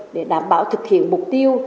để đảm bảo thực hiện mục tiêu